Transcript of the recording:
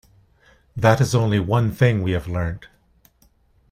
That is only one thing we have learnt.